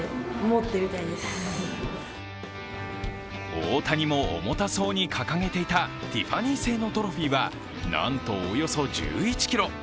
大谷も重たそうに掲げていたティファニー製のトロフィーはなんとおよそ１１ｋｇ。